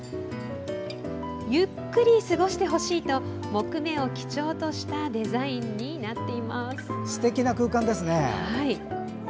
ゆっくり過ごしてほしいと木目を基調としたデザインになっています。